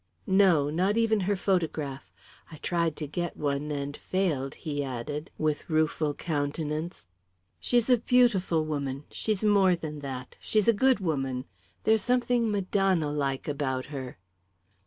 "No not even her photograph. I tried to get one and failed," he added, with rueful countenance. "She's a beautiful woman she's more than that she's a good woman. There's something Madonna like about her."